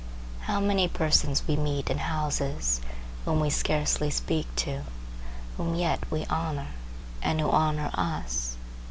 How many persons we meet in houses, whom we scarcely speak to, whom yet we honor, and who honor us!